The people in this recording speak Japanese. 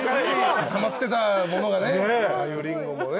たまってたものがねさゆりんごもね。